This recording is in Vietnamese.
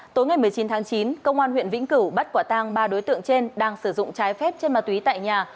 tối ngày một mươi chín tháng chín công an huyện vĩnh cửu bắt quả tang ba đối tượng trên đang sử dụng trái phép trên ma túy tại nhà